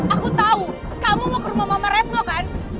aku tau kamu mau ke rumah mama repno kan